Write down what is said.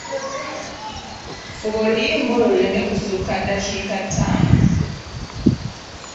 Fuba oluyimba lwo luleme kusukka ddakiika ttaano.